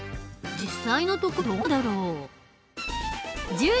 実際のところどうなんだろう？